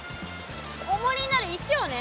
おもりになる石をね